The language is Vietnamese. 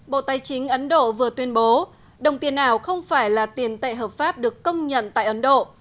bộ tài chính ấn độ vừa tuyên bố đồng tiền ảo không phải là tiền tệ hợp pháp được công nhận tại ấn độ